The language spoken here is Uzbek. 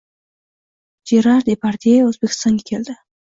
Jerar Depardye O'zbekistonga keldi